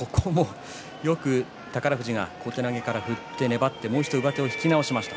よく宝富士が小手投げから振って粘って、もう一度上手を引き直しました。